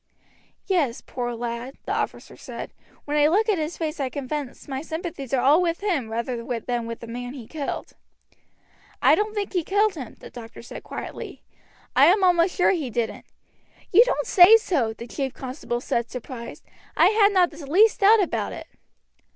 "Yes, poor lad," the officer said. "When I look at his face I confess my sympathies are all with him rather than with the man he killed." "I don't think he killed him," the doctor said quietly. "I am almost sure he didn't." "You don't say so!" the chief constable said, surprised. "I had not the least doubt about it."